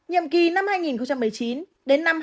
nhiệm kỳ năm hai nghìn một mươi chín đến năm hai nghìn hai mươi